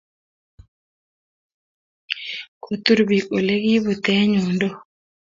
kotur piik ole kipute yundok